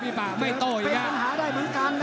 เป็นปัญหาได้เหมือนกันนะครับ